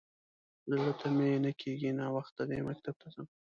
_زړه ته مې نه کېږي. ناوخته دی، مکتب ته ځم.